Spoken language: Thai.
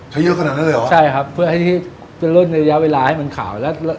ใช้เยอะขนาดนั้นเลยหรอใช่ครับเพื่อให้ที่ล่นระยะเวลาให้มันขาว